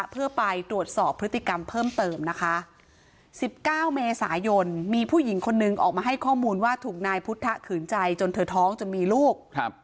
เพื่อไปตรวจสอบพฤติกรรมเพิ่มเติมนะคะ๑๙เมษายนมีผู้หญิงคนนึงออกมาให้ข้อมูลว่าถูกนายพุทธขืนใจจนเธอท้องจนมีลูก